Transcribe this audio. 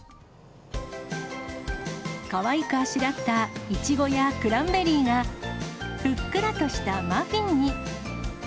かわいくあしらったいちごやクランベリーが、ふっくらとしたマフィンに。